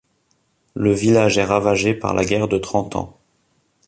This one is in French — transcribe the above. Le village est ravagé par la guerre de Trente Ans.